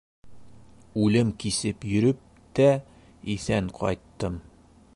Үлем кисеп йөрөп тә иҫән ҡайттым.